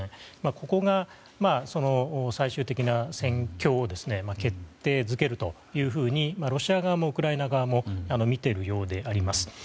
ここが最終的な戦況を決定づけるというふうにロシア側もウクライナ側も見ているようであります。